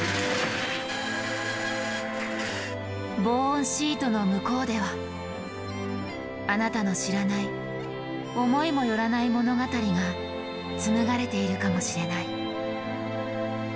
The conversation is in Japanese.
防音シートの向こうではあなたの知らない思いもよらない物語が紡がれているかもしれない。